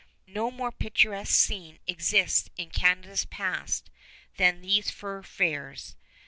No more picturesque scene exists in Canada's past than these Fur Fairs.